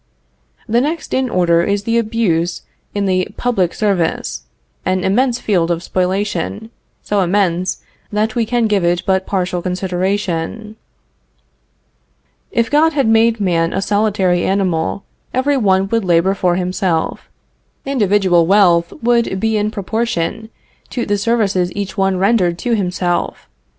The next in order is the abuse in the public service an immense field of spoliation, so immense that we can give it but partial consideration. If God had made man a solitary animal, every one would labor for himself. Individual wealth would be in proportion to the services each one rendered to himself.